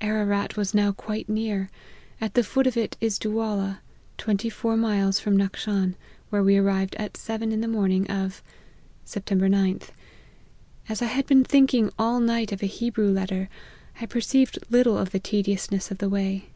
Ararat was now quite near : at the foot of it is Duwala, twenty four miles from Nackshan, where we arrived at seven in the morn ing of " Sept. 9th. As I had been thinking all night of a Hebrew letter, I perceived little of the tedious ness of the way.